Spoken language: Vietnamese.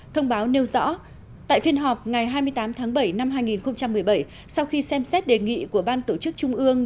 thông báo nêu rõ tại phiên họp ngày hai mươi tám tháng bảy năm hai nghìn một mươi bảy sau khi xem xét đề nghị của ban tổ chức trung ương